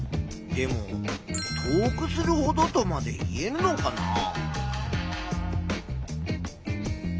でも「遠くするほど」とまで言えるのかな？